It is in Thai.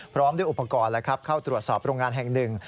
พร้อมด้วยอุปกรณ์เข้าตรวจสอบโรงงานแห่งหนึ่ง